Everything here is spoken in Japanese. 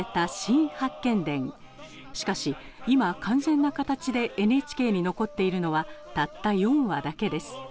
しかし今完全な形でＮＨＫに残っているのはたった４話だけです。